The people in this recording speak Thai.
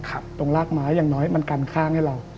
ตรงรากไม้อย่างน้อยมันกันข้างให้เรา